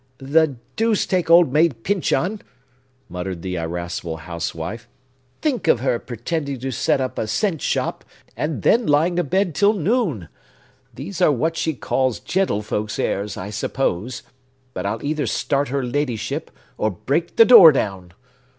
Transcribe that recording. "The deuce take Old Maid Pyncheon!" muttered the irascible housewife. "Think of her pretending to set up a cent shop, and then lying abed till noon! These are what she calls gentlefolk's airs, I suppose! But I'll either start her ladyship, or break the door down!"